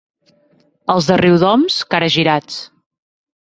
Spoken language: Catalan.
Els de Riudoms, caragirats.